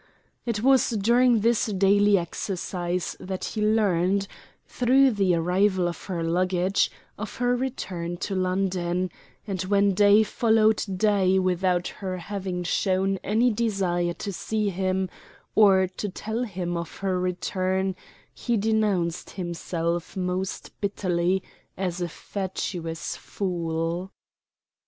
It was during this daily exercise that he learned, through the arrival of her luggage, of her return to London, and when day followed day without her having shown any desire to see him or to tell him of her return he denounced himself most bitterly as a fatuous fool.